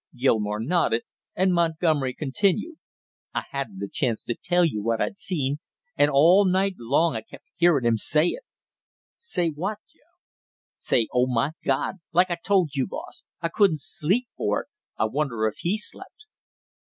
Gilmore nodded and Montgomery continued. "I hadn't a chance to tell you what I'd seen, and all night long I kept hearin' him say it!" "Say what, Joe?" "Say, 'Oh, my God!' like I told you, boss; I couldn't sleep for it, I wonder if he slept!"